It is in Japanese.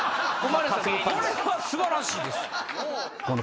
これは素晴らしいですよ。